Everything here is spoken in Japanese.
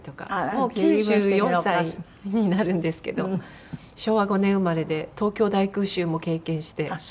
もう９４歳になるんですけど昭和５年生まれで東京大空襲も経験してはい。